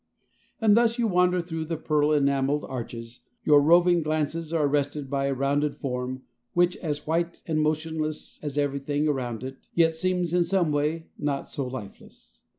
As thus you wander through the pearl enameled arches, your roving glances are arrested by a rounded form which, as white and motionless as everything around it, yet seems in some way not so lifeless.